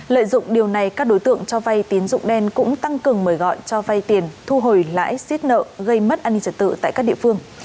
lợi dụng điều này các đối tượng cho vay tín dụng đen cũng tăng cường mời gọi cho vay tiền thu hồi lãi xiết nợ gây mất an ninh trật tự tại các địa phương